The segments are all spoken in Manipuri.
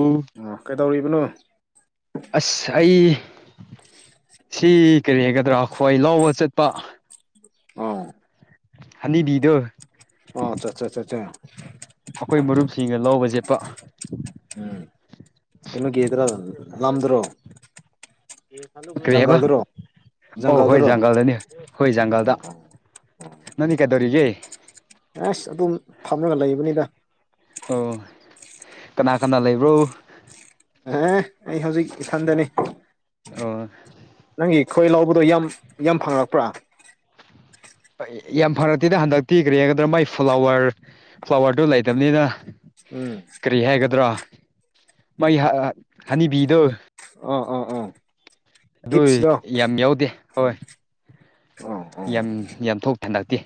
ꯎ ꯑ ꯀꯩꯗꯧꯔꯤꯕꯅꯣ ꯑ ꯑꯩ ꯁꯤ ꯀꯔꯤ ꯍꯥꯏꯒꯗ꯭ꯔꯥ ꯑꯩꯈꯣꯏ ꯂꯕ ꯆꯠꯄ ꯑꯣ ꯍꯅꯤꯗꯤ ꯑꯣ ꯑꯆꯥ ꯑꯆꯥ ꯑ ꯑꯆꯥ ꯑꯩꯈꯣꯏ ꯃꯔꯨꯞꯁꯤꯡꯒ ꯂꯧꯕ ꯆꯦꯠꯄ ꯀꯩꯅꯣꯒꯦꯗ꯭ꯔꯥ ꯂꯗ꯭ꯔꯣ ꯭ꯔꯔꯤ ꯍꯥꯏꯕ ꯑꯣ ꯍꯣꯏ ꯖꯪꯒꯜꯗꯔꯣ ꯖꯪꯒꯜꯗꯅꯤ ꯍꯣꯏ ꯖꯪꯒꯜꯗ ꯅꯪꯅꯤ ꯀꯩꯗꯧꯔꯤꯒꯦ ꯑꯁ ꯑꯗꯨꯝ ꯊꯝꯂꯒ ꯂꯩꯕꯅꯤꯗ ꯑꯣ ꯀꯅꯥ ꯀꯅꯥ ꯂꯩꯕ꯭ꯔꯣ ꯑꯦ ꯑꯩ ꯍꯧꯖꯤꯛ ꯏꯁꯟꯗꯅꯤ ꯑꯣ ꯅꯪꯒꯤ ꯈꯣꯏ ꯂꯧꯕꯗꯣ ꯌꯥꯝ ꯌꯥꯝ ꯐꯪꯪꯂꯉꯛꯄ꯭ꯔꯥ ꯌꯥꯝ ꯐꯔꯛꯇꯦꯗ ꯍꯟꯗꯛꯇꯤ ꯀꯔꯤꯒꯗ꯭ꯔꯥ ꯃꯥꯏ ꯐ꯭ꯂꯥꯋꯔ ꯐ꯭ꯂꯥꯋꯔꯗꯨ ꯂꯩꯇꯕꯅꯤꯅ ꯎꯝ ꯀꯔꯤ ꯍꯥꯏꯒꯗ꯭ꯔꯣ ꯃꯩ ꯍꯅꯤꯕꯤꯗꯨꯣ ꯑꯣ ꯑꯣ ꯑꯣ ꯑꯗꯨ ꯍꯤꯞꯁꯇꯣ ꯌꯥꯝ ꯌꯥꯎꯗꯦ ꯍꯣꯏ ꯑꯣ ꯑꯣ ꯌꯥꯝ ꯌꯥꯝ ꯊꯣꯛ ꯊꯦꯟꯗꯛꯇꯦ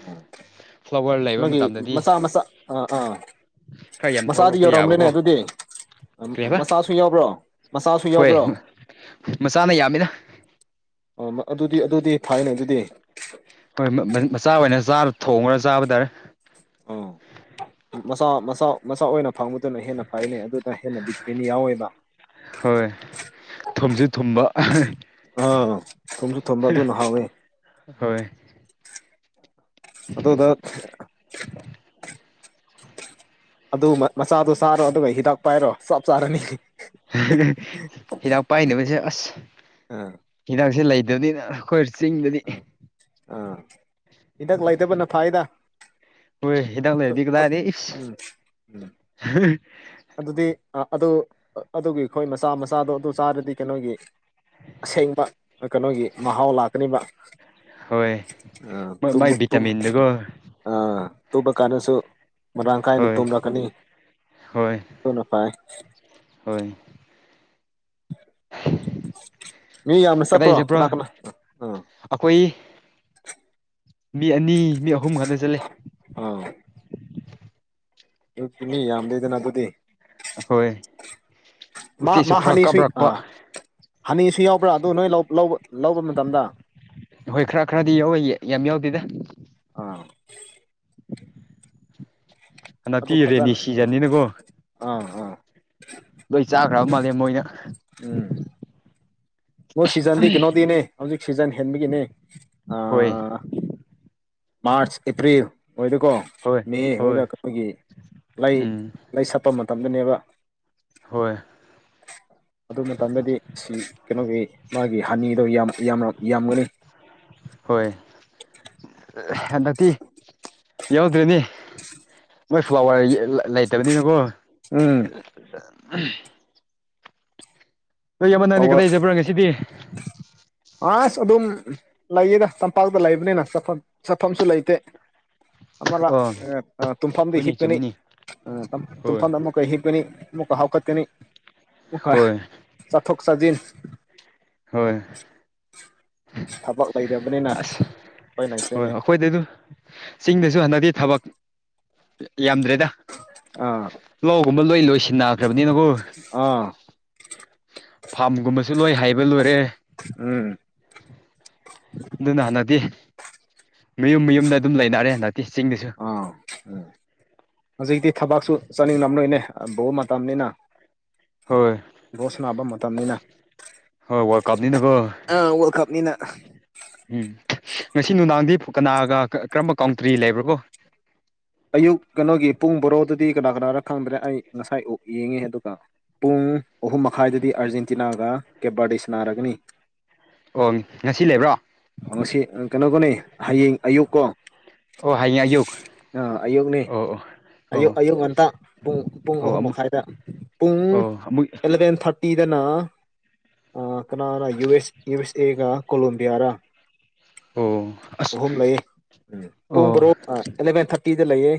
ꯑꯣ ꯅꯣꯏꯒꯤ ꯃꯁꯥ ꯃꯁꯥ ꯑ ꯑꯥ ꯈꯔ ꯌꯥꯝ ꯃꯁꯥꯗꯤ ꯊꯣꯛꯂꯛꯄ ꯌꯧꯔꯝꯕ꯭ꯔꯦꯅꯦ ꯌꯥꯕꯀꯣ ꯑꯗꯨꯗꯤ ꯀꯔꯤ ꯍꯥꯏꯕ ꯃꯆꯥꯁꯨ ꯌꯥꯎꯕ꯭ꯔꯣ ꯃꯆꯥꯁꯨ ꯌꯥꯎꯕ꯭ꯔꯣ ꯃꯁꯥꯅ ꯌꯥꯝꯃꯤꯅ ꯑꯣ ꯑꯗꯨꯗꯤ ꯑꯗꯨꯗꯤ ꯐꯥꯏꯅꯦ ꯑꯗꯨꯗꯤ ꯍꯣꯏ ꯃꯆꯥ ꯑꯣꯏꯅ ꯆꯥ ꯊꯣꯡꯉ꯭ꯔ ꯆꯥꯕ ꯇꯥꯔꯦ ꯑ ꯃꯁꯥ ꯃꯁꯥ ꯃꯁꯥ ꯑꯣꯏꯅ ꯐꯪꯕꯗꯨꯅ ꯍꯦꯟꯅ ꯐꯩꯅꯦꯩ ꯑꯗꯨꯅ ꯍꯦꯟꯅ ꯕꯤꯇꯕꯤꯅꯤ ꯌꯥꯎꯋꯦꯕ ꯍꯣꯏ ꯊꯨꯝꯁꯨ ꯊꯨꯝꯕ ꯑ ꯊꯨꯝꯁꯨ ꯊꯣꯝꯕ ꯑꯗꯨꯅ ꯍꯥꯎꯋꯦ ꯍꯣꯏ ꯑꯗꯨꯗꯗ ꯑꯗꯨ ꯃꯆꯥꯗꯨ ꯁꯥꯥꯔꯣ ꯑꯗꯨꯒ ꯍꯤꯗꯥꯛ ꯄꯥꯏꯔꯣ ꯆꯞ ꯆꯥꯔꯅꯤ ꯍꯤꯗꯥꯛ ꯄꯥꯏꯅꯕꯁꯦ ꯑꯁ ꯑꯥ ꯍꯤꯗꯥꯛꯁꯦ ꯂꯩ ꯀꯣꯏ ꯑ ꯑꯥ ꯏꯒ ꯂꯣꯏꯇꯕꯅ ꯐꯥꯏꯗ ꯍꯣꯏ ꯍꯤꯗꯥꯛ ꯂꯩꯔꯗꯤ ꯈꯨꯗꯥꯗꯤ ꯎꯝ ꯑꯗꯨꯗꯤ ꯑꯗꯨ ꯑꯗꯨꯒꯤ ꯑꯩꯈꯣꯏ ꯃꯆꯥ ꯃꯆꯥꯗꯣ ꯑꯗꯨ ꯆꯥꯔꯗꯤ ꯀꯩꯅꯣꯒꯤ ꯑꯁꯦꯡꯕ ꯀꯩꯅꯣꯒꯤ ꯃꯍꯥꯎ ꯂꯥꯛꯀꯅꯤꯕ ꯍꯣꯏ ꯑ ꯃꯥꯏ ꯚꯤꯇꯥꯃꯤꯟꯗꯨꯒꯣ ꯇꯃ ꯑ ꯇꯨꯝꯕ ꯀꯥꯟꯗꯁꯨ ꯃꯔꯥꯡ ꯀꯥꯏꯅ ꯍꯣꯏ ꯇꯨꯝꯂꯛꯀꯅꯤ ꯍꯣꯏ ꯑꯗꯨꯅ ꯐꯥꯏ ꯍꯣꯏ [unintelligible] ꯃꯤ ꯌꯥꯝꯃꯦ ꯀꯗꯥꯏ ꯆꯠꯄ꯭ꯔꯣ ꯆꯠꯄ꯭ꯔꯥ ꯀꯅꯥ ꯀꯅꯥ ꯎꯝ ꯑꯩꯈꯣꯏ ꯃꯤ ꯑꯅꯤ ꯃꯤ ꯑꯍꯨꯝ ꯈꯛꯇ ꯆꯠꯂꯦ ꯑꯗꯨ ꯆꯅꯤ ꯌꯥꯝꯗꯦꯗꯅ ꯑꯗꯨꯗꯤ ꯍꯣꯏ ꯃꯥ ꯎꯆꯦꯛꯁꯨ ꯃꯥ ꯈꯔ ꯍꯅꯤꯁꯨꯏ ꯀꯥꯞꯔꯛꯄ ꯑꯥ ꯍꯅꯤꯁꯨ ꯌꯥꯎꯕ꯭ꯔꯥ ꯑꯗꯨ ꯅꯣꯏ ꯂ ꯂꯧꯕ ꯃꯇꯝꯗ ꯍꯣꯏ ꯈꯔ ꯈꯔꯗꯤ ꯌꯥꯎꯋ ꯌꯥꯝ ꯌꯥꯎꯗꯦꯗ ꯑꯥ ꯑꯗꯨ ꯍꯅꯠꯇꯤꯔꯦꯅꯤ ꯐꯖꯅ ꯎꯝ ꯁꯤꯖꯅꯤꯅꯀꯣ ꯑꯥ ꯑꯥ ꯂꯣꯏ ꯆꯥꯈ꯭ꯔꯕ ꯃꯥꯜꯂꯦ ꯃꯣꯏꯅ ꯎꯝ ꯃꯣꯏ ꯁꯤꯖꯟꯗꯤ ꯀꯩꯅꯣꯗꯤꯅꯦ ꯍꯧꯖꯤꯛ ꯁꯤꯖꯟ ꯍꯦꯟꯕꯒꯤꯅꯦ ꯑ ꯍꯣꯏ ꯃꯥꯔꯆ ꯑꯦꯄ꯭ꯔꯤꯜ ꯃꯣꯏꯗꯀꯣ ꯍꯣꯏ ꯃ ꯍꯣꯏ ꯍꯣꯏꯗ ꯑꯩꯈꯣꯏꯒꯤ ꯂꯩ ꯎꯝ ꯂꯩ ꯁꯛꯄ ꯃꯇꯝꯗꯅꯦꯕ ꯍꯣꯏ ꯑꯗꯨ ꯃꯇꯝꯗꯗꯤ ꯁꯤ ꯀꯩꯅꯣꯒꯤ ꯃꯥꯒꯤ ꯍꯅꯤꯗꯣ ꯌꯥꯝ ꯌꯥꯝꯒꯅꯤ ꯍꯣꯏꯗꯤ ꯌꯥꯎꯗ꯭ꯔꯅꯤ ꯃꯣꯏ ꯐ꯭ꯂꯥꯋꯔ ꯂꯩꯇꯕꯅꯤꯅꯀꯣ ꯑ ꯎꯝ ꯑ ꯀꯗꯥꯏ ꯆꯠꯄ꯭ꯔꯥ ꯉꯁꯤꯗꯤ ꯑ ꯑꯗꯨ ꯑꯗꯨꯝ ꯂꯩꯌꯦꯗ ꯆꯝꯄꯥꯛꯇ ꯂꯩꯕꯅꯤꯅ ꯆꯐꯝ ꯆꯠꯐꯝꯁꯨ ꯂꯩꯇꯦ ꯑꯃꯔ ꯑ ꯇꯨꯨꯝꯐꯝꯗꯤ ꯍꯣꯏꯅꯦ ꯍꯤꯞꯄꯅꯤ ꯆꯨꯝꯃꯤꯅꯤ ꯑ ꯍꯣꯏ ꯇꯨꯨꯝꯐꯝꯗ ꯑꯃꯨ ꯀꯣꯏ ꯍꯤꯞꯄꯅꯤ ꯃꯄꯥ ꯍꯥꯎꯀꯠꯇꯦꯅꯤ ꯍꯣꯏ ꯗꯤꯤꯟ ꯍꯣꯏ ꯊꯕꯛ ꯂꯩꯇꯕꯅꯤꯅ ꯑꯁ ꯎꯄꯥꯏ ꯍꯣꯏ ꯂꯩꯇꯦꯅꯦ ꯑꯩꯈꯣꯏꯗ ꯑꯗꯨ ꯆꯤꯡꯗꯁꯨ ꯍꯟꯗꯛꯇꯤ ꯊꯕꯛ ꯌꯥꯝꯗ꯭ꯔꯦꯗ ꯑꯥ ꯂꯒꯨꯝꯕ ꯂꯣꯏ ꯂꯣꯏꯁꯤ ꯁꯤꯤꯟꯅꯈ꯭ꯔꯕꯅꯤꯅꯕꯨ ꯑꯥ ꯐꯥꯝꯒꯨꯝꯕꯁꯨ ꯂꯣꯏ ꯍꯥꯏꯕ ꯂꯣꯏꯔꯦ ꯎꯝ ꯑꯗꯨꯅ ꯍꯟꯗꯛꯇꯤ ꯃꯌꯨꯝ ꯃꯌꯨꯝꯗ ꯑꯗꯨꯝ ꯂꯩꯅꯔꯦ ꯍꯟꯗꯛꯇꯤ ꯆꯤꯡꯗꯁꯨ ꯑꯥ ꯎꯝ ꯍꯧꯖꯤꯛꯇꯤ ꯊꯕꯛꯁꯨ ꯆꯠꯅꯤꯡꯂꯝ ꯅꯣꯏꯅꯦ ꯕ ꯃꯇꯝꯅꯤꯅ ꯍꯣꯏ ꯚꯣꯁ ꯅꯥꯕ ꯃꯇꯝꯅꯤꯅ ꯍꯣꯏ ꯋꯥꯔꯜ ꯀꯞꯅꯤꯅꯀꯣ ꯑꯥ ꯋꯥꯔꯜ ꯀꯞꯅꯤꯅ ꯎꯝ ꯉꯁꯤ ꯅꯨꯡꯗꯥꯡꯗꯤ ꯀꯅꯥꯒ ꯀꯔꯝꯕ ꯀꯥꯎꯟꯇ꯭ꯔꯤ ꯂꯩꯕ꯭ꯔ ꯀꯣ ꯑꯌꯨꯛ ꯀꯩꯅꯣꯒꯤ ꯄꯨꯡ ꯕꯣꯔꯣꯗꯨꯗꯤ ꯀꯅꯥ ꯀꯅꯥꯔ ꯈꯪꯗ꯭ꯔꯦ ꯑꯩ ꯉꯁꯥꯏ ꯑꯣ ꯌꯦꯡꯉꯦ ꯑꯗꯨꯒ ꯄꯨꯡ ꯄꯨꯡ ꯑꯍꯨꯝ ꯃꯈꯥꯏꯗꯗꯤ ꯑꯥꯔꯖꯦꯟꯇꯤꯅꯥꯒ ꯀꯦꯕꯔꯗꯁꯅꯥꯔꯒꯅꯤ ꯑꯣ ꯉꯁꯤ ꯂꯩꯕ꯭ꯔꯣ ꯀꯩꯅꯣꯒꯅꯦ ꯍꯌꯦꯡ ꯑꯌꯨꯛꯀꯣ ꯑꯣ ꯍꯥꯏꯡ ꯌꯎꯛ ꯑ ꯑꯌꯨꯛꯅꯦ ꯑꯌꯨꯛ ꯑꯌꯨꯛ ꯉꯟꯇꯥ ꯄꯨꯡ ꯄꯨꯡ ꯑꯣ ꯑꯣ ꯑꯍꯨꯝ ꯑꯃꯨꯛ ꯃꯈꯥꯏꯗ ꯄꯨꯡ ꯑꯣ ꯑꯃꯨꯛ ꯑꯦꯂꯚꯦꯟ ꯊꯥꯔꯇꯤ ꯁꯤꯗꯅ ꯀꯅꯥꯅ ꯌꯨ ꯑꯦꯁ ꯌꯨ ꯑꯦꯁ ꯑꯦꯒ ꯀꯣꯂꯣꯕꯤꯌꯥꯔ ꯑꯣ ꯑꯁ ꯑꯍꯨꯝ ꯂꯩꯌꯦ ꯎꯝ ꯑꯣ ꯄꯨꯡ ꯣꯔꯣꯛ ꯑꯦꯂꯚꯦꯟ ꯊꯥꯔꯇꯤꯗ ꯂꯩꯌꯦ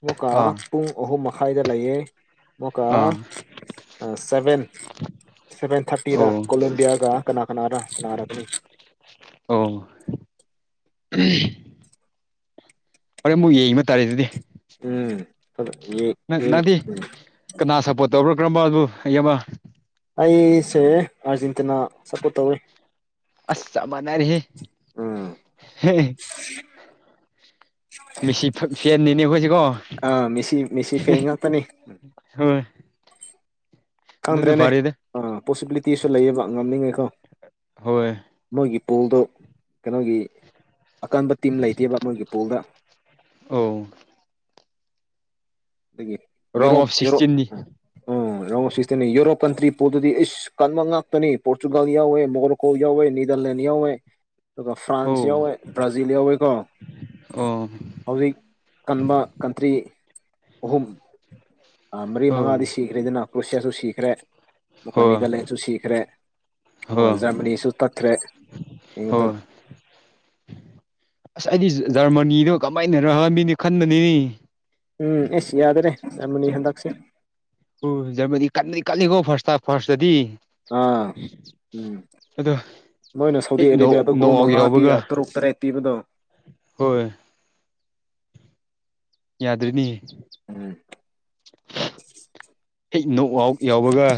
ꯑꯃꯨꯛꯀꯥ ꯑꯥ ꯄꯨꯡ ꯑꯍꯨꯝ ꯃꯈꯥꯏꯗ ꯂꯩꯌꯦ ꯃꯀ ꯑꯥ ꯁꯚꯦꯟ ꯁꯚꯦꯟ ꯊꯥꯔꯇꯤꯗ ꯑꯣ ꯀꯣꯂꯦꯝꯣꯕꯤꯌꯥꯒ ꯀꯅꯥ ꯀꯅꯥꯅ ꯀꯅꯥꯔꯛꯒꯅꯤ ꯑꯣ ꯍꯣꯔꯦꯟ ꯑꯃꯨꯛ ꯌꯦꯡꯤꯕ ꯇꯥꯔꯦꯗꯨꯗꯤ ꯎꯝ ꯅꯅꯥꯗꯤ ꯀꯅꯥ ꯁꯞꯄꯣꯔꯠ ꯇꯧꯔꯈ꯭ꯔꯕꯣꯕꯨ ꯑꯩ ꯑꯃ ꯐꯠꯇꯅ ꯁꯞꯄꯣꯔꯠ ꯇꯧꯋꯤ ꯑꯁ ꯆ ꯃꯅꯔ ꯎꯝ ꯍꯦ ꯃꯤꯁꯤ ꯐꯅꯤꯅꯦ ꯍ ꯑ ꯃꯤꯦꯁꯤ ꯃꯤꯁꯤ ꯐꯦꯡꯉꯅꯤ ꯍꯣꯏ ꯑꯗꯨꯅ ꯈꯪꯗ꯭ꯔꯦꯅꯦ ꯐꯔꯦꯗ ꯑꯥ ꯄꯣꯁꯤꯕꯤꯂꯤꯇꯤꯁꯨ ꯂꯩꯌꯦꯕ ꯉꯝꯅꯤꯡꯉꯦꯀꯣ ꯍꯣꯏ ꯃꯣꯏꯒꯤ ꯄꯣꯜꯗꯣ ꯀꯩꯅꯣꯒꯤ ꯑꯀꯟꯕ ꯇꯤꯝ ꯂꯩꯇꯦꯕ ꯃꯣꯏꯒꯤ ꯄꯣꯜꯗ ꯑ ꯑꯗꯒꯤ ꯔꯥꯎꯟ ꯌꯔꯣ ꯑꯣꯐ ꯌꯔꯣ ꯁꯤꯛꯁꯇꯤꯟꯅꯤ ꯎꯝ ꯎꯝ ꯅꯤ ꯌꯨꯔꯣꯞ ꯀꯟꯇ꯭ꯔꯤ ꯄꯣꯠꯇꯨꯗꯤ ꯏꯁ ꯀꯟꯕ ꯉꯥꯛꯇꯅꯤ ꯄꯣꯔꯇꯨꯒꯒꯥꯜ ꯌꯥꯎꯋꯦ ꯃꯣꯒꯣꯔꯣꯀꯣ ꯌꯥꯎꯋꯦ ꯅꯤꯗꯔ ꯂꯦꯟ ꯌꯥꯎꯋꯦ ꯑꯗꯨꯒ ꯐ꯭ꯔꯥꯟꯁ ꯑꯧ ꯌꯥꯎꯋꯦ ꯕ꯭ꯔꯥꯖꯤꯜ ꯌꯥꯎꯋꯦ ꯀꯣ ꯑꯣ ꯍꯧꯖꯤꯛ ꯀꯟꯕ ꯀꯟꯇ꯭ꯔꯤ ꯑꯍꯨꯝ ꯃꯔꯤ ꯑꯧ ꯃꯉꯥꯗꯤ ꯁꯤꯈ꯭ꯔꯦꯗꯅ ꯀ꯭ꯔꯣꯁꯤꯌꯥꯁꯨ ꯁꯤꯈ꯭ꯔꯦ ꯑꯗꯨꯒ ꯍꯣꯏ ꯅꯤꯗꯔꯂꯦꯟꯁꯨ ꯁꯤꯈ꯭ꯔꯦ ꯍꯣꯏ ꯑꯣꯖꯥ ꯑꯅꯤꯁꯨ ꯇꯠꯈ꯭ꯔꯦ ꯌꯦꯡꯉꯇ ꯍꯣꯏ ꯑꯁ ꯍꯥꯏꯗꯤ ꯖꯔꯃꯅꯤꯅꯣ ꯀꯃꯥꯏꯅꯔꯃꯤꯅꯤ ꯈꯟꯕꯅꯤꯅꯤ ꯎꯝ ꯑꯦꯁ ꯌꯥꯗ꯭ꯔꯦ ꯌꯥꯝꯃꯅꯤ ꯍꯟꯗꯛꯁꯤꯦ ꯑꯣꯖꯃꯗꯤ ꯀ ꯀꯜꯂꯤꯀꯣ ꯐꯥꯁꯇ ꯐꯥꯔꯁꯇꯗꯤ ꯑꯥ ꯎꯝ ꯑꯗꯣ ꯅꯣꯏꯅ ꯁꯥꯎꯗꯤ ꯍꯦꯛ ꯅꯣꯛ ꯑꯔꯦꯕꯤꯌꯥꯗ ꯒꯍ ꯅꯣꯛ ꯑꯥꯎꯠ ꯃꯉꯥ ꯄꯤ ꯌꯥꯎꯕꯒ ꯇꯔꯨꯛ ꯇꯔꯦꯠ ꯄꯤꯕꯗꯣ ꯍꯣꯏ ꯌꯥꯗ꯭ꯔꯤꯅꯤ ꯎꯝ ꯣꯛ ꯑꯥꯎ ꯌꯥꯎꯕꯒ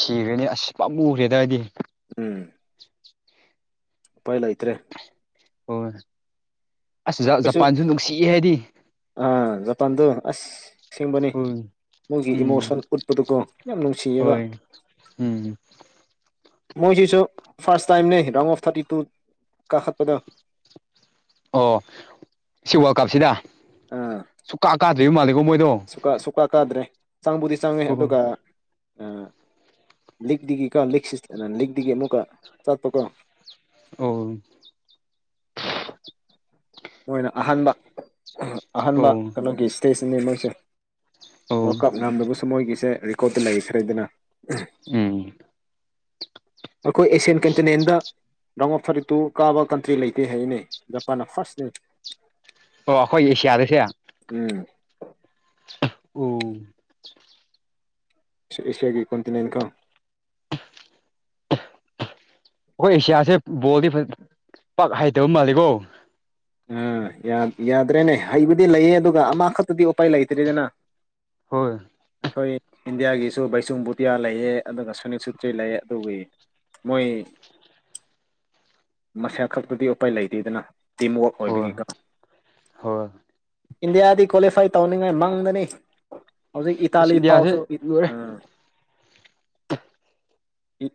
ꯁꯤꯈ꯭ꯔꯦꯅꯤ ꯑꯁ ꯄꯥ ꯎꯈ꯭ꯔꯦꯗꯏꯗꯤ ꯍ ꯄꯥꯏ ꯂꯩ ꯏꯇ꯭ꯔꯦ ꯍꯣꯏ ꯑꯁ ꯑꯩꯈꯣꯏꯁꯨ ꯖꯄꯥꯟꯁꯨ ꯅꯨꯡꯁꯤꯌꯦ ꯍꯥꯏꯗꯤ ꯑꯥ ꯖꯄꯥꯟꯗꯨ ꯑꯁ ꯁꯤꯡꯕꯅꯤ ꯍꯣꯏ ꯅꯪꯒꯤ ꯎꯝ ꯏꯃꯣꯁꯟ ꯎꯠꯄꯗꯨꯀꯣ ꯌꯥꯝ ꯅꯨꯡꯁꯤꯌꯦꯕ ꯍꯣꯏ ꯎꯝ ꯃꯣꯏ ꯁꯤꯁꯨ ꯐꯥꯔꯁ ꯇꯥꯏꯝꯅꯦ ꯔꯪ ꯑꯣꯐ ꯊꯥꯔꯇꯤ ꯇꯨ ꯀꯥꯈꯛꯄꯗ ꯑꯣ ꯁꯤ ꯋꯥꯔꯜ ꯀꯥꯞꯁꯤꯗ ꯑꯥ ꯁꯨꯀꯥ ꯁꯨꯀꯥ ꯀꯥꯗ꯭ꯔꯦ ꯆꯥꯡꯕꯨꯗꯤ ꯆꯪꯉꯦ ꯑꯣ ꯑꯗꯨꯒ ꯂꯤꯛꯇꯒꯤꯀꯣ ꯂꯤꯛ ꯂꯤꯛꯇꯒꯤ ꯑꯃꯨꯛꯀ ꯆꯠꯄꯀꯣ ꯑꯣ ꯃꯣꯏꯅ ꯑꯍꯥꯟꯕ ꯑꯍꯥꯟꯕ ꯑꯣ ꯀꯩꯅꯣꯒꯤ ꯏꯁꯇꯦꯖꯅꯤ ꯃꯣꯏꯁꯦ ꯑꯣ ꯋꯥꯔꯜ ꯀꯞ ꯅꯝꯗꯕꯁꯨ ꯃꯣꯏꯒꯤꯁꯦ ꯔꯦꯀꯣꯔꯠꯇ ꯂꯩ ꯁꯔꯦꯗꯅ ꯎꯝ ꯑꯩꯈꯣꯏ ꯑꯦꯁꯤꯌꯥꯟ ꯀꯟꯇꯤꯅꯦꯟꯗ ꯔꯃꯣ ꯐꯔꯤꯠꯇꯨ ꯀꯥꯕ ꯀꯟꯇ꯭ꯔꯤ ꯂꯩꯇꯦ ꯍꯥꯏꯅꯦ ꯖꯄꯥꯟꯅ ꯐꯥꯔꯁꯅꯦ ꯑꯣ ꯑꯩꯈꯣꯏ ꯑꯦꯁꯤꯌꯥꯗꯁꯦ ꯎꯝ ꯑꯣ ꯑꯦꯁꯤꯌꯥꯒꯤ ꯀꯣꯟꯟꯇꯤ ꯅꯅꯀ ꯑꯩꯈꯣꯏ ꯑꯦꯁꯤꯌꯥꯁꯦ ꯕꯣꯜꯗꯤ ꯐ ꯄꯥꯛ ꯍꯩꯇꯕ ꯃꯥꯜꯂꯤꯦꯀꯣ ꯑꯥ ꯌꯥꯗ꯭ꯔꯦꯅꯦ ꯍꯩꯕꯨꯗꯤ ꯂꯩꯌꯦ ꯑꯗꯨꯒ ꯑꯃꯈꯛꯇꯗꯤ ꯎꯄꯥꯏ ꯂꯩꯇ꯭ꯔꯔꯤꯗꯅ ꯍꯣꯏ ꯑꯩꯈꯣꯏ ꯏꯟꯗꯤꯌꯥꯒꯤꯁꯨ ꯕꯩꯆꯨꯡ ꯕꯨꯇꯤꯌꯥ ꯂꯩꯌꯦ ꯑꯗꯨꯒ ꯁꯨꯅꯤꯛ ꯁꯨꯇ꯭ꯔꯤ ꯂꯩ ꯑꯗꯨꯒꯤ ꯃꯣꯏ ꯃꯁꯥ ꯈꯛꯇꯗꯤ ꯎꯄꯥꯏ ꯂꯩꯇꯦꯗꯅ ꯇꯤꯝꯋꯔꯛ ꯍꯣꯏ ꯑꯣꯏꯕꯅꯤꯀ ꯍꯣꯏ ꯏꯟꯗꯤꯌꯥꯗꯤ ꯀ꯭ꯋꯥꯂꯤꯐꯥꯏ ꯇꯧꯅꯤꯡꯉꯥꯏ ꯃꯥꯡꯗꯅꯤ ꯍꯧꯖꯤꯛ ꯑꯁ ꯏꯇꯥꯂꯤ ꯏꯟꯗꯤꯌꯥꯁꯦ ꯐꯥꯎꯁꯨ ꯂꯣꯏꯔꯦ ꯑꯝ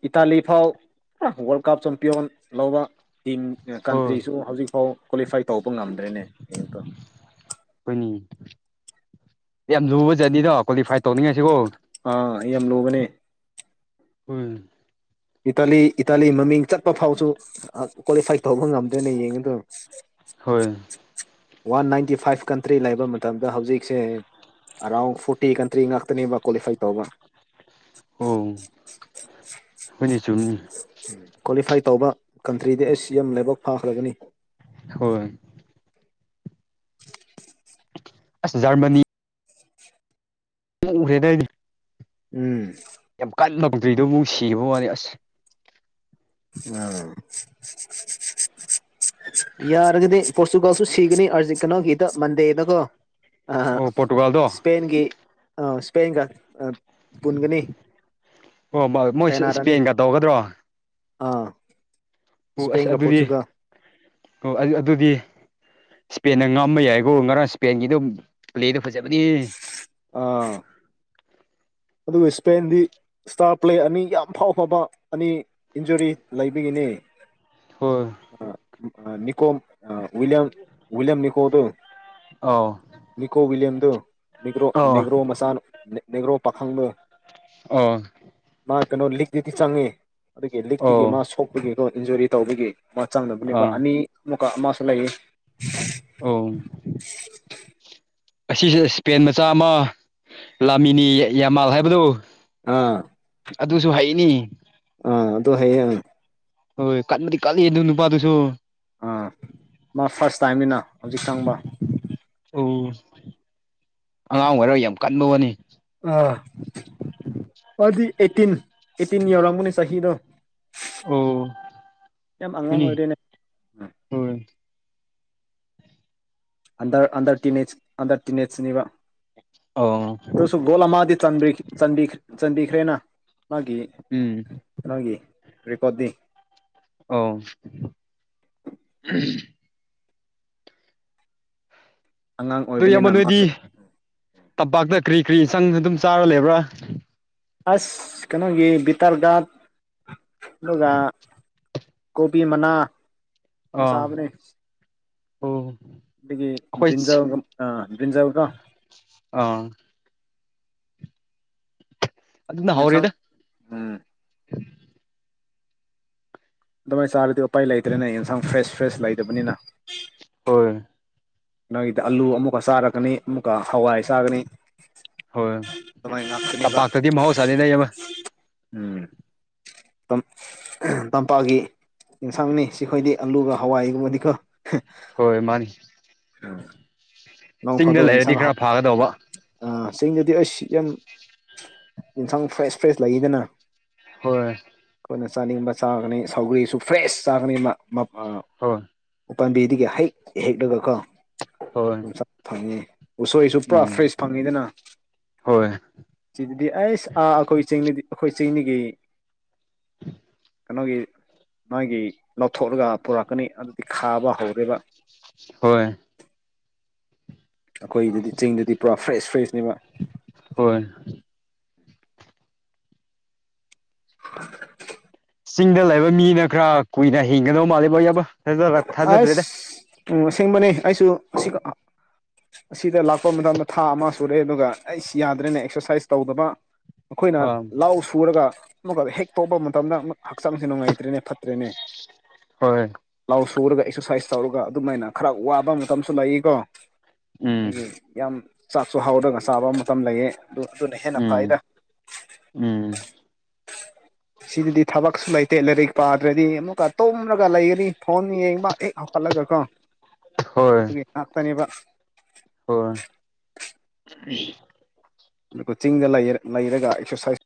ꯏꯇꯥꯂꯤ ꯐꯥꯎ ꯋꯥꯔꯜ ꯀꯥꯞ ꯆꯝꯄꯤꯌꯣꯟ ꯂꯧꯕ ꯇꯤꯝ ꯍꯣꯏ ꯀꯟꯇ꯭ꯔꯤꯁꯨ ꯍꯧꯖꯤꯛꯐꯥꯎ ꯀ꯭ꯋꯥꯂꯤꯐꯥꯏ ꯇꯧꯕ ꯉꯝꯗ꯭ꯔꯦꯅꯦ ꯌꯦꯡꯛꯇꯣ ꯍꯣꯏꯅꯤ ꯌꯥꯝ ꯂꯨꯕ ꯖꯠꯅꯤꯗꯣ ꯀ꯭ꯋꯥꯂꯤꯐꯥꯏ ꯇꯧꯅꯤꯡꯉꯁꯤꯕꯣ ꯑꯩ ꯌꯥꯝꯂꯅꯦ ꯍꯣꯏ ꯏꯇꯥꯂꯤ ꯏꯇꯥꯂꯤ ꯃꯃꯤꯡ ꯆꯠꯄ ꯐꯥꯎꯁꯨ ꯀ꯭ꯋꯥꯂꯤꯐꯥꯏ ꯇꯧꯕ ꯉꯝꯗꯣꯏꯅꯦ ꯌꯦꯡꯉꯗꯣ ꯍꯣꯏ ꯋꯥꯟ ꯅꯥꯏꯟꯇꯤ ꯐꯥꯏꯚ ꯀꯟꯇ꯭ꯔꯤ ꯂꯩꯕ ꯃꯇꯝꯗ ꯍꯧꯖꯤꯛꯁꯦ ꯑꯔꯥꯎꯟ ꯐꯣꯔꯇꯤ ꯀꯟꯇ꯭ꯔꯤ ꯉꯥꯛꯇꯅꯦꯕ ꯀ꯭ꯋꯥꯂꯤꯐꯥꯏ ꯇꯧꯕ ꯑꯣ ꯍꯅꯆ ꯀ꯭ꯋꯥꯂꯤꯐꯥꯏ ꯇꯧꯕ ꯀꯟꯇ꯭ꯔꯤꯗ ꯑꯦꯁ ꯁꯤ ꯑꯦꯝ ꯂꯥꯏꯕꯛ ꯐꯥꯈ꯭ꯔꯒꯅꯤ ꯍꯣꯏ ꯑꯁ ꯖꯔꯃꯅꯤ ꯎ ꯍꯦꯔꯗꯤ ꯎꯝ ꯌꯥꯝ ꯀꯟꯅ ꯂꯧꯧꯗ꯭ꯔꯤꯗꯣ ꯑꯃꯨꯛ ꯁꯤꯈꯤꯕ ꯃꯥꯂꯦ ꯑꯁ ꯎꯥ ꯌꯥꯔꯒꯗꯤ ꯄꯣꯔꯇꯨꯒꯥꯜꯁꯨ ꯁꯤꯒꯅꯤ ꯑꯥꯔꯖꯦꯟꯇꯤꯅꯥꯒꯤꯗ ꯃꯟꯗꯦꯗꯀꯣ ꯑ ꯑꯣ ꯄꯣꯔꯇꯨꯒꯥꯜꯗꯣ ꯁꯄꯦꯟꯒ ꯑꯥ ꯁ꯭ꯄꯦꯒ ꯄꯨꯟꯒꯅꯤ ꯑꯣ ꯃꯣꯏ ꯇꯥꯏꯅꯥꯔꯅꯤ ꯏꯁꯄꯦꯟꯒ ꯇꯧꯒꯗ꯭ꯔꯣ ꯑꯥ ꯑꯣ ꯑꯁ ꯏꯁꯄꯦꯟꯒ ꯑꯗꯨꯗꯤ ꯄꯣꯔꯆꯨꯒꯜ ꯑꯣ ꯑꯗꯨꯗꯤ ꯏꯁꯄꯦꯟꯗ ꯉꯝꯕ ꯌꯥꯏꯀꯣ ꯉꯔꯥꯡ ꯏꯁꯄꯦꯟꯒꯤꯗꯨꯝ ꯄ꯭ꯂꯦꯗ ꯍꯧꯖꯕ ꯑꯥ ꯑꯗꯨꯒ ꯏꯁꯄꯦꯟꯗꯤ ꯏꯁꯇꯥꯔ ꯄ꯭ꯂꯦ ꯑꯅꯤ ꯌꯥꯝ ꯐꯥꯎ ꯐꯕ ꯑꯅꯤ ꯏꯟꯖꯨꯔꯤ ꯂꯩꯕꯒꯤꯅꯤ [unintelligible] ꯍꯣꯏ ꯅꯤꯀꯣꯝ ꯑꯋꯌꯝ ꯋꯂꯤꯌꯝ ꯅꯤꯀꯣ ꯇ ꯑꯧ ꯅꯤꯀꯣ ꯋꯂꯤꯌꯝ ꯇ ꯒ꯭ꯔꯣ ꯑꯧ ꯅꯦꯒ꯭ꯔꯣ ꯃꯆꯥ ꯅꯦꯒ꯭ꯔꯣ ꯄꯥꯈꯪꯅ ꯑꯧ ꯃꯥ ꯀꯩꯅꯣ ꯂꯤꯛꯇꯛꯇꯨꯗꯤ ꯆꯪꯉꯤ ꯑꯗꯨꯒꯤ ꯂꯤꯛꯇꯛꯇꯨꯒꯤ ꯑꯧ ꯃꯥ ꯁꯣꯛꯄꯒꯤ ꯀꯩꯅꯣ ꯏꯟꯖꯨꯔꯤ ꯇꯧꯕꯒꯤ ꯃꯥ ꯆꯪꯅꯕꯅꯦꯕ ꯑꯥ ꯑꯅꯤ ꯑꯃꯨꯛꯀ ꯑꯃꯁꯨ ꯂꯩꯌꯦ ꯑꯧ ꯑꯁꯤꯁꯦ ꯏꯁꯄꯦꯟ ꯃꯆꯥ ꯑꯃ ꯂꯥꯃꯤꯅꯤ ꯌꯥꯃꯥꯜ ꯍꯥꯏꯕꯗꯨ ꯑꯥ ꯑꯗꯨꯁꯨ ꯍꯅꯤ ꯑꯥ ꯑꯗꯨ ꯍꯌꯦ ꯍꯣꯏ ꯀꯟꯕꯗꯤ ꯀꯜꯂꯤ ꯑꯗꯨ ꯅꯨꯄꯥꯗꯨꯁꯨ ꯑꯥ ꯃꯥ ꯐꯥꯔꯁ ꯇꯥꯏꯝꯅꯤꯅ ꯍꯧꯖꯤꯛ ꯆꯪꯕ ꯑꯣ ꯑꯉꯥꯡ ꯑꯣꯏꯔꯒ ꯌꯥꯝ ꯀꯟꯕ ꯋꯥꯅꯤ ꯑ ꯑꯗꯨꯗꯤ ꯑꯩꯠꯇꯤꯟ ꯑꯩꯠꯇꯤꯟ ꯌꯧꯔꯕꯅꯦ ꯆꯍꯤꯗꯣ ꯑꯣ ꯌꯥꯝ ꯑꯉꯥꯡ ꯍꯣꯏꯅꯦ ꯑꯣꯏꯗꯩꯅ ꯍꯣꯏ ꯑꯟꯗ ꯑꯟꯗꯔ ꯇ ꯑꯟꯗꯔ ꯇꯤꯅꯦꯖꯅꯤꯕ ꯑꯣ ꯇꯁꯨ ꯣꯂ ꯃꯥꯗꯤ ꯆ ꯆ ꯆꯟꯗꯤ ꯈꯔꯦꯅꯥ ꯃꯥꯒꯤ ꯎꯝ ꯅꯒꯤ ꯔꯦꯀꯗꯤ ꯑꯣ ꯑꯉꯥꯡ ꯑꯗꯨ ꯌꯥꯝꯃ ꯑꯣꯏꯕꯅꯤꯅ ꯃꯥꯁꯨ ꯅꯣꯏꯗꯤ ꯇꯝꯄꯥꯛꯇ ꯀꯔꯤ ꯀꯔꯤ ꯏꯟꯆꯪ ꯑꯗꯨꯝ ꯆꯥꯔ ꯂꯩꯕ꯭ꯔꯥ ꯑꯁ ꯀꯩꯅꯣꯒꯤ ꯕꯤꯇꯜꯒꯗ ꯑꯗꯨꯒ ꯀꯣꯄꯤ ꯃꯅꯥ ꯑꯥ ꯃꯁꯥꯕꯔꯦ ꯑꯣ ꯑꯩꯈꯣꯏ ꯑꯗꯨꯗꯒꯤ ꯟꯖꯥꯎꯒ ꯑ ꯟꯖꯥꯎꯒ ꯑꯥ ꯑꯗꯨꯅ ꯌꯦꯁꯥꯡ ꯍꯧꯔꯦꯗ ꯎꯝ ꯑꯗꯨꯃꯥꯏꯅ ꯆꯥꯔꯗꯤ ꯎꯄꯥꯏ ꯂꯩꯇ꯭ꯔꯦꯅꯦ ꯌꯦꯟꯁꯥꯡ ꯐ꯭ꯔꯦꯁ ꯐ꯭ꯔꯦꯁ ꯂꯩꯇꯕꯅꯤꯅ ꯍꯣꯏ ꯅꯪꯒꯤꯗ ꯑꯥꯂꯨ ꯑꯃꯨꯛꯀ ꯆꯥꯔꯛꯀꯅꯤ ꯑꯃꯨꯛꯀ ꯍꯋꯥꯏ ꯆꯥꯒꯅꯤ ꯍꯣꯏ ꯑꯗꯨꯃꯥꯏꯅ ꯉꯥꯛꯇꯅꯦꯕ ꯇꯝꯄꯥꯛꯇꯗꯤ ꯃꯍꯧꯁꯥꯅꯤꯅ ꯑꯃ ꯎꯝ ꯇꯝꯄꯥꯛꯒꯤ ꯌꯦꯟꯁꯥꯡꯅꯤ ꯁꯤꯈꯣꯏꯗꯤ ꯑꯂꯨꯒ ꯍꯋꯥꯏꯒꯨꯝꯕꯗꯤꯀꯣ ꯍꯣꯏ ꯃꯥꯅꯤ ꯎꯝ ꯆꯤꯡꯗ ꯂꯩꯔꯗꯤ ꯈꯔ ꯐꯥꯒꯗꯧꯕ ꯑ ꯆꯤꯡꯗꯨꯗꯤ ꯑꯩꯁ ꯌꯥꯝ ꯑꯦꯟꯁꯥꯡ ꯐ꯭ꯔꯦꯁ ꯐ꯭ꯔꯦꯁ ꯂꯩꯗꯅ ꯍꯣꯏ ꯑꯩꯈꯣꯏꯅ ꯆꯥꯅꯤꯡꯕ ꯆꯥꯒꯅꯤ ꯁꯧꯒ꯭ꯔꯤꯁꯨ ꯐ꯭ꯔꯦꯁ ꯆꯥꯒꯅꯤ ꯍꯣꯏ ꯄꯥꯝꯕꯤꯗꯒꯤ ꯍꯦꯛ ꯍꯦꯛꯂꯒꯀꯣ ꯍꯣꯏ ꯑꯗꯨꯝꯆꯠ ꯐꯪꯉꯤ ꯎꯁꯣꯏꯁꯨ ꯄꯨꯔꯥ ꯎꯝ ꯐ꯭ꯔꯦꯁ ꯐꯪꯉꯤꯗꯅ ꯍꯣꯏ ꯁꯤꯗꯗꯤ ꯑꯩꯁ ꯑꯥ ꯑꯩꯈꯣꯏ ꯆꯤꯡꯅꯗꯤ ꯑꯩꯈꯣꯏ ꯆꯤꯡꯅꯤꯒꯤ [unintelligible] ꯀꯩꯅꯣꯒꯤ ꯃꯥꯒꯤ ꯂꯧꯊꯣꯛꯂꯒ ꯄꯨꯔꯛꯀꯅꯤ ꯑꯗꯨꯗꯤ ꯈꯥꯕ ꯍꯧꯔꯦꯕ ꯍꯣꯏ ꯑꯩꯈꯣꯏꯗꯗꯤ ꯆꯤꯡꯗꯨꯗꯤ ꯄꯨꯔꯥ ꯐ꯭ꯔꯦꯁ ꯐ꯭ꯔꯦꯁꯅꯦꯕ ꯍꯣꯏ [unintelligible] ꯆꯤꯡꯗ ꯂꯩꯕ ꯃꯤꯅ ꯈꯔ ꯀꯨꯏꯅ ꯍꯤꯡꯒꯗꯧ ꯃꯥꯜꯂꯤꯦꯕ ꯌꯥꯕ ꯊꯥꯖꯗ꯭ꯔꯦꯗ ꯎ ꯑꯁꯦꯡꯕꯅꯦ ꯑꯩꯁꯨ ꯁꯤ ꯑꯁꯤꯗ ꯂꯥꯛꯄ ꯃꯇꯝꯗ ꯊꯥ ꯑꯃ ꯁꯨꯔꯦꯑꯦ ꯑꯗꯨꯒ ꯑꯩ ꯌꯥꯗ꯭ꯔꯦꯅ ꯑꯦꯛꯁꯔꯁꯥꯏꯁ ꯇꯧꯗꯕ ꯑꯩꯈꯣꯏꯅ ꯑꯥ ꯂꯥꯎ ꯁꯨꯔꯒ ꯍꯦꯛ ꯇꯣꯛꯄ ꯃꯇꯝꯗ ꯍꯛꯆꯥꯡꯁ ꯅꯨꯡꯉꯥꯏꯇ꯭ꯔꯦꯅꯦ ꯐꯠꯇ꯭ꯔꯦꯅꯦ ꯍꯣꯏ ꯂꯧ ꯁꯨꯔꯒ ꯑꯦꯛꯁꯔꯁꯥꯏꯁ ꯇꯧꯔꯒ ꯑꯗꯨꯃꯥꯏꯅ ꯈꯔ ꯋꯥꯕ ꯃꯇꯝꯁꯨ ꯂꯩ ꯀꯣ ꯑꯗꯒꯤ ꯎꯝ ꯌꯥꯝ ꯆꯥꯛꯁꯨ ꯍꯥꯎꯔꯒ ꯆꯥꯕ ꯃꯇꯝ ꯂꯩꯌꯦ ꯑꯗꯨ ꯑꯗꯨꯅ ꯍꯦꯟꯅ ꯎꯝ ꯐꯥꯏꯔ ꯎꯝ ꯁꯤꯗꯗꯤ ꯊꯕꯛꯁꯨ ꯂꯩꯇꯦ ꯂꯥꯏꯔꯤꯛ ꯄꯥꯗ꯭ꯔꯗꯤ ꯑꯃꯨꯛꯀ ꯇꯨꯝꯔꯒ ꯂꯩꯒꯅꯤ ꯐꯣꯟ ꯌꯦꯡꯕ ꯑꯦ ꯍꯥꯞꯀꯠꯂꯒꯀꯣ ꯍꯣꯏ ꯇꯅꯦꯕ ꯑꯩ ꯑꯗꯨꯒꯣ ꯆꯤꯡꯗ ꯂꯩꯔꯒ ꯑꯦꯛꯁꯔꯁꯥꯏꯁ